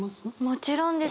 もちろんです。